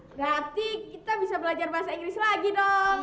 berarti kita bisa belajar bahasa inggris lagi dong